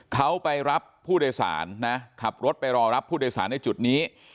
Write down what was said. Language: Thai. เขาไปรับผู้โดยสารนะขับรถไปรอรับผู้โดยสารในจุดนี้